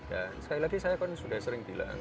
dan sekali lagi saya kan sudah sering bilang